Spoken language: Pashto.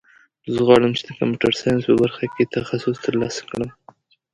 زه غواړم چې د کمپیوټر ساینس په برخه کې تخصص ترلاسه کړم